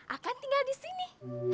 akan tinggal disini